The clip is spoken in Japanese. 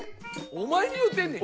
お前に言うてんねん！